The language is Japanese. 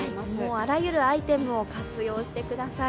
あらゆるアイテムを活用してください。